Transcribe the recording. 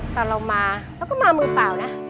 ตอนเรามาเราก็มามือเปล่านะ